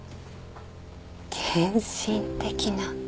献身的な愛。